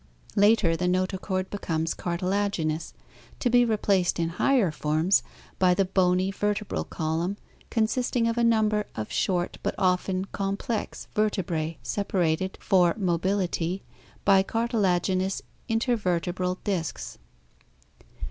Later the notochord be comes cartilaginous, to be replaced in higher forms by the bony vertebral column consisting of a number of short but often complex vertebrae separated, for mobility, by cartilaginous intervertebral discs.